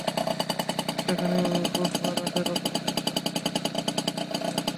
সেখানেই বুধবার রাতে নতুন করে পাঁচ দিনের যুদ্ধবিরতির ঘোষণা দেওয়া হয়।